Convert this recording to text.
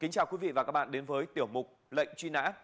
xin chào quý vị và các bạn đến với tiểu mục lệnh truy nã